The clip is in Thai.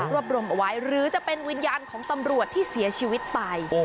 รวบรวมเอาไว้หรือจะเป็นวิญญาณของตำรวจที่เสียชีวิตไป